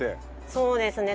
そうですね。